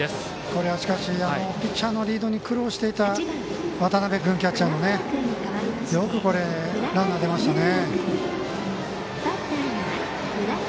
これは、ピッチャーのリードに苦労していたキャッチャーの渡辺君よくランナー出ましたね。